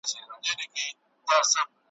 څلور واړه یې یوه یوه ګوله کړه `